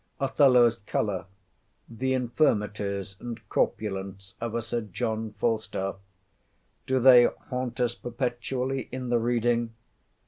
Othello's colour—the infirmities and corpulence of a Sir John Falstaff—do they haunt us perpetually in the reading?